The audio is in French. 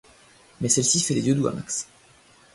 Mais celle-ci fait les yeux doux à Max.